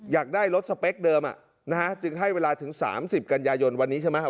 อยากได้รถสเปคเดิมอ่ะนะฮะจึงให้เวลาถึงสามสิบกัญญาโยนวันนี้ใช่ไหม